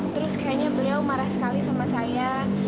terus kayaknya beliau marah sekali sama saya